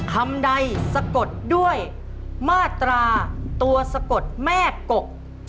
คำใดสะกดด้วยมาตราตัวสะกดแม่กก